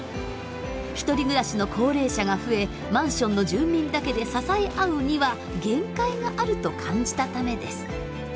ひとり暮らしの高齢者が増えマンションの住民だけで支え合うには限界があると感じたためです。